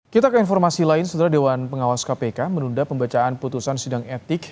kita ke informasi lain setelah dewan pengawas kpk menunda pembacaan putusan sidang etik